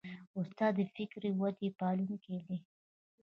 استاد د فکري ودې پالونکی دی.